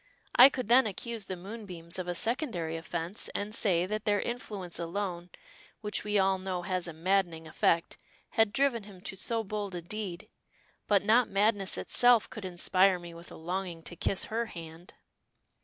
I could then accuse the moonbeams of a secondary offense, and say that their influence alone, which we all know has a maddening effect, had driven him to so bold a deed. But not madness itself could inspire me with a longing to kiss her hand."